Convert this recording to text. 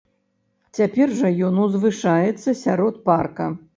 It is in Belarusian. Цяпер жа ён узвышаецца сярод парка.